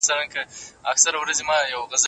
له عصري ټیکنالوژۍ څخه باید پوره ګټه واخیستل سي.